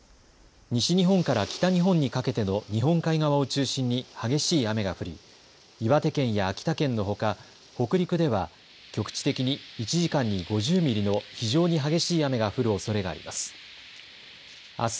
西日本から北日本にかけての日本海側を中心に激しい雨が降り岩手県や秋田県のほか北陸では局地的に１時間に５０ミリの非常に激しい雨が降るおそれがあります。